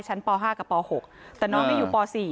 ป๕กับป๖แต่น้องได้อยู่ป๔